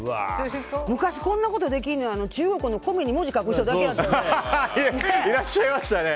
昔こんなことができるのは中国の米に文字書く人だけやったよね。